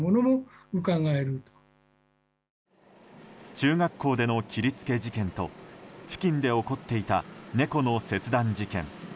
中学校での切り付け事件と付近で起こっていた猫の切断事件。